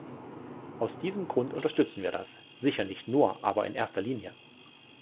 Aus diesem Grund unterstützen wir das, sicher nicht nur, aber in erster Linie.